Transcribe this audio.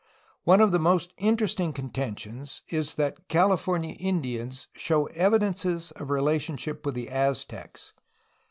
One of the most inter esting contentions is that California Indians show evidences of relationship with the Aztecs.